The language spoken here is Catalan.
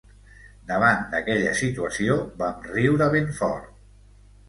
Davant d’aquella situació, vam riure ben fort.